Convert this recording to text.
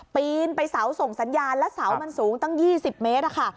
ปีนไปเสาส่งสัญญาณแล้วเสามันสูงตั้ง๒๐เมตรค่ะ